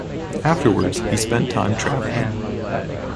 Afterwards, he spent time travelling.